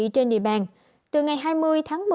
trên địa bàn từ ngày hai mươi tháng một mươi